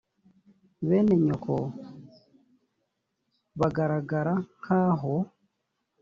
bene nyoko bagaragara nk aho